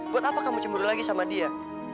buat apa kamu cemburu lagi sama dia